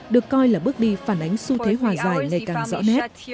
được coi là bước đi phản ánh xu thế hòa giải ngày càng rõ nét